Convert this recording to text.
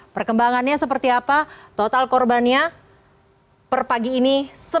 perkembangannya seperti apa total korbannya per pagi ini